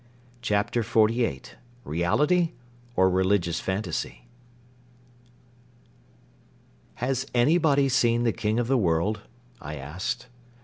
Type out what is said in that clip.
CHAPTER XLVIII REALITY OR RELIGIOUS FANTASY? "Has anybody seen the King of the World?" I asked.